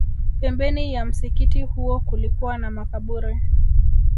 Pembeni ya msikiti huo kulikuwa na makaburi